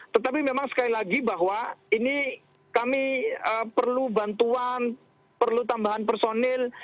tetapi memang sekali lagi bahwa ini kami perlu bantuan perlu tambahan personil